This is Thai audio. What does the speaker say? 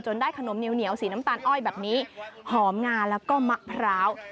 ได้ขนมเหนียวสีน้ำตาลอ้อยแบบนี้หอมงาแล้วก็มะพร้าว